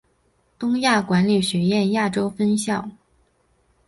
东亚管理学院亚洲分校。